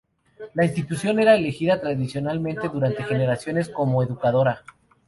La institución era elegida tradicionalmente durante generaciones como educadora.